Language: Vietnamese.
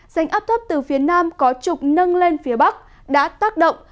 rãnh áp thấp từ phía nam có trục nâng lên phía bắc đã tác động